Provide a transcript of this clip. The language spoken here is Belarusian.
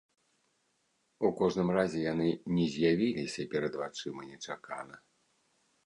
У кожным разе яны не з'явіліся перад вачыма нечакана.